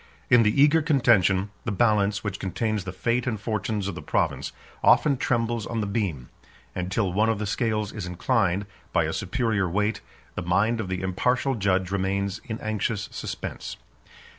In the eager contention, the balance, which contains the fate and fortunes of the province, often trembles on the beam; and till one of the scales is inclined, by a superior weight, the mind of the impartial judge remains in anxious suspense.